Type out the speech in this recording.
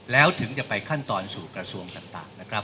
แล้วถึงจะไปขั้นตอนสู่กระทรวงต่างนะครับ